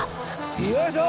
よいしょ！